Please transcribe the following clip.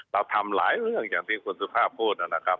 เราทำหลายเรื่องอย่างที่คุณสุภาพพูดนะครับ